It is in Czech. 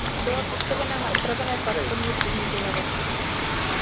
Byla postavena na upravené platformě první generace.